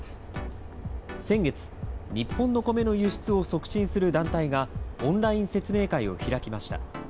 先月、日本のコメの輸出を促進する団体がオンライン説明会を開きました。